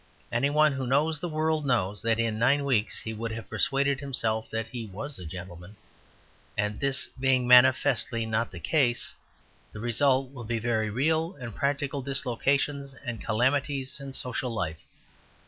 Any one who knows the world knows that in nine weeks he would have persuaded himself that he was a gentleman; and this being manifestly not the case, the result will be very real and practical dislocations and calamities in social life.